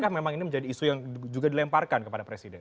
apakah memang ini menjadi isu yang juga dilakukan oleh bapak presiden